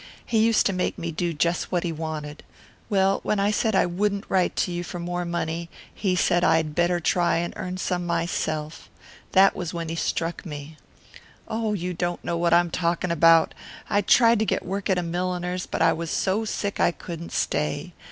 He used to make me do just what he wanted. Well, when I said I wouldn't write to you for more money he said I'd better try and earn some myself. That was when he struck me.... Oh, you don't know what I'm talking about yet!... I tried to get work at a milliner's, but I was so sick I couldn't stay.